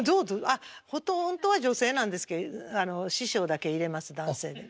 あっほとんどは女性なんですけど師匠だけ入れます男性で。